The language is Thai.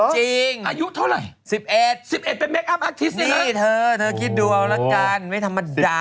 จริงอายุเท่าไหร่นี่เธอคิดดูเอาแล้วกันไม่ธรรมดา